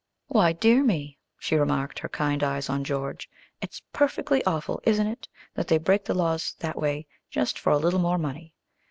_ "Why, dear me," she remarked, her kind eyes on George, "it's perfectly awful, isn't it, that they break the laws that way just for a little more money.